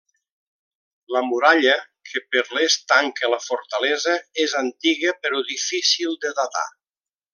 La muralla que per l'est tanca la fortalesa és antiga però difícil de datar.